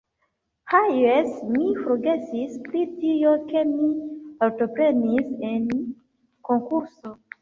Ha jes, mi forgesis pri tio, ke mi partoprenis en konkurso